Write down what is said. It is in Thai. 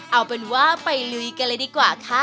เอาเป็นว่าไปลุยกันเลยดีกว่าค่ะ